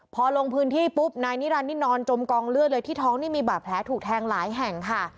พอลงพื้นที่ปุ๊บนายนิรันดินี่นอนจมกองเลือดเลยที่ท้องนี่มีบาดแผลถูกแทงหลายแห่งค่ะ